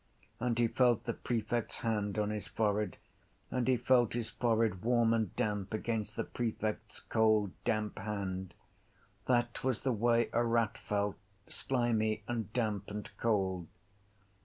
And he felt the prefect’s hand on his forehead; and he felt his forehead warm and damp against the prefect’s cold damp hand. That was the way a rat felt, slimy and damp and cold.